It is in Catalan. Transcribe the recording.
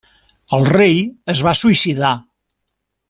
El rei es va suïcidar.